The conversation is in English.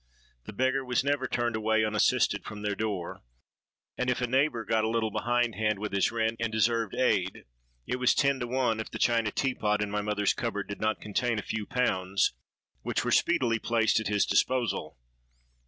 The beggar was never turned away unassisted from their door; and if a neighbour got a little behind hand with his rent, and deserved aid, it was ten to one if the china tea pot in my mother's cupboard did not contain a few pounds, which were speedily placed at his disposal.